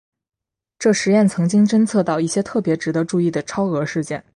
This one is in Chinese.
这实验曾经侦测到一些特别值得注意的超额事件。